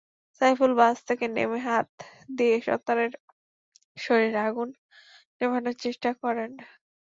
Saiful bus থেকে নেমে হাত দিয়ে সন্তানের শরীরের আগুন নেভানোর চেষ্টা করেন।